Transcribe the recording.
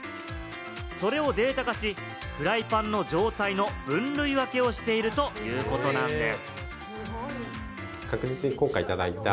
それをデータ化し、フライパンの状態の分類分けをしているということなんです。